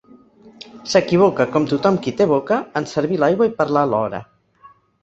S'equivoca, com tothom qui té boca, en servir l'aigua i parlar alhora.